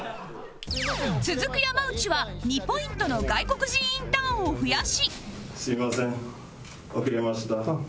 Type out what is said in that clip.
続く山内は２ポイントの外国人インターンを増やしすみません。